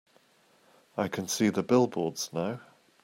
I can see the billboards now.